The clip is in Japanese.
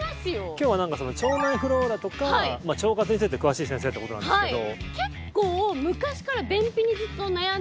今日は腸内フローラとか腸活について詳しい先生ってことなんですけど。